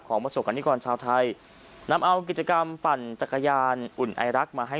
ก็ปื้มปิติมากนะคะในกิจกรรมครั้งนี้ค่ะต้องบอกเลยว่า